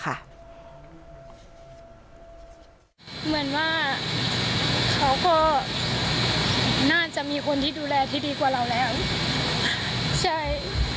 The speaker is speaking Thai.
กับผู้หญิงตรงนั้นไล่เรานี่